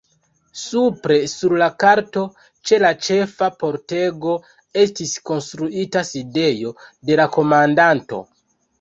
Supre sur la korto, ĉe la ĉefa pordego, estis konstruita sidejo de la komandanto.